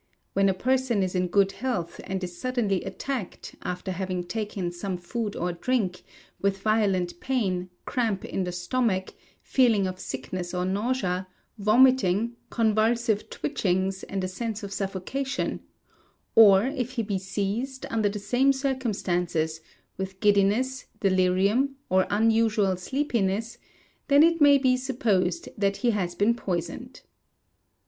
When a person is in good health, and is suddenly attacked, after having taken some food or drink, with violent pain, cramp in the stomach, feeling of sickness or nausea, vomiting, convulsive twitchings, and a sense of suffocation; or if he be seized, under the same circumstances, with giddiness, delirium, or unusual sleepiness, then it may be supposed that he has been poisoned.